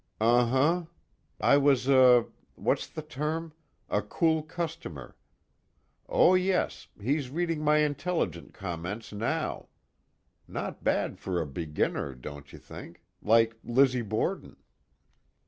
"Uh huh. I was a what's the term? a cool customer. Oh yes he's reading my intelligent comments now. Not bad for a beginner, don't you think? Like Lizzie Borden."